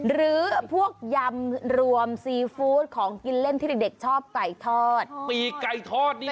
หรือพวกยำรวมซีฟู้ดของกินเล่นที่เด็กเด็กชอบไก่ทอดปีกไก่ทอดนี่